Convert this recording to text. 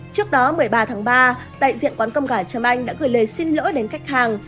trước đó một mươi ba tháng ba đại diện quán cơm gà trâm anh đã gửi lời xin lỗi đến khách hàng